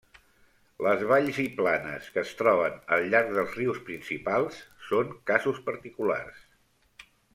Les valls i planes que es troben al llarg dels rius principals són casos particulars.